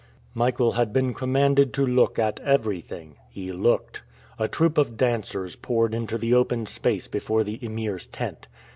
Michael had been commanded to look at everything. He looked. A troop of dancers poured into the open space before the Emir's tent.